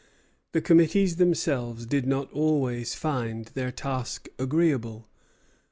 The committees themselves did not always find their task agreeable.